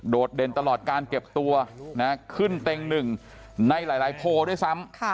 เด่นตลอดการเก็บตัวขึ้นเต็งหนึ่งในหลายโพลด้วยซ้ำ